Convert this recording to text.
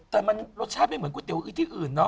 แต่มันรสชาติไม่เหมือนก๋วที่อื่นเนาะ